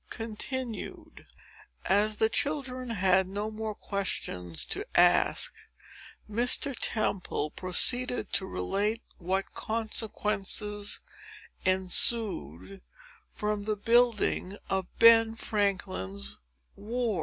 Chapter VIII As the children had no more questions to ask, Mr. Temple proceeded to relate what consequences ensued from the building of Ben Franklin's wharf.